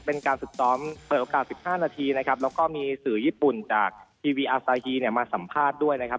เป็นการฝึกซ้อมเปิดโอกาส๑๕นาทีนะครับแล้วก็มีสื่อญี่ปุ่นจากทีวีอาซาฮีเนี่ยมาสัมภาษณ์ด้วยนะครับ